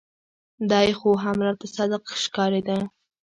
دى خو هم راته صادق ښکارېده.